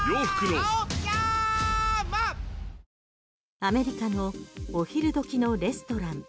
アメリカのお昼時のレストラン。